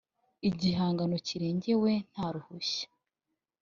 igihangano kirengewe nta ruhushya